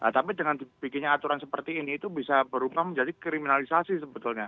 tapi dengan dibikinnya aturan seperti ini itu bisa berubah menjadi kriminalisasi sebetulnya